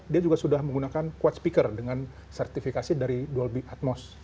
dia juga sudah menggunakan quid speaker dengan sertifikasi dari dolby atmos